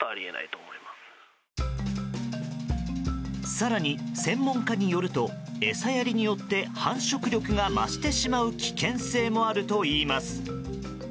更に、専門家によると餌やりによって繁殖力が増してしまう危険性もあるといいます。